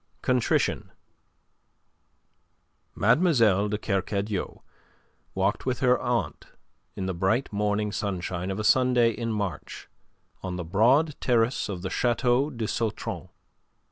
CONTRITION Mlle. de Kercadiou walked with her aunt in the bright morning sunshine of a Sunday in March on the broad terrace of the Chateau de Sautron.